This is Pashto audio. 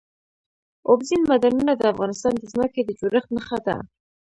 اوبزین معدنونه د افغانستان د ځمکې د جوړښت نښه ده.